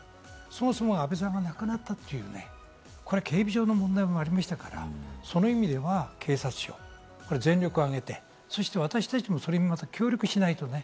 そもそも安倍さんが亡くなったという、これは警備上の問題もありましたから、そういう意味では警察庁、全力を挙げて私たちもそれに協力しないとね。